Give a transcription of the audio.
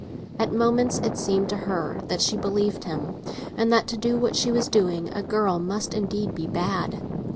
At moments it seemed to her that she believed him, and that to do what she was doing, a girl must indeed be bad.